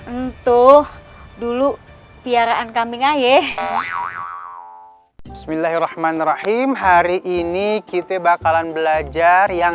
entuh dulu tiaraan kambing aja bismillahirrahmanirrahim hari ini kita bakalan belajar yang